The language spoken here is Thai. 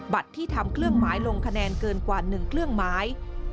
ที่ทำเครื่องหมายลงคะแนนเกินกว่า๑เครื่องหมาย